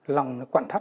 lòng nó quặn thắt